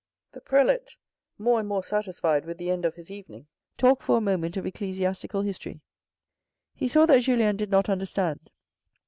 The prelate, more and more satisfied with the end of his evening, talked for a moment of ecclesiastical history. He saw that Julien did not understand.